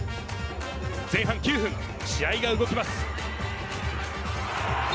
前半９分、試合が動きます。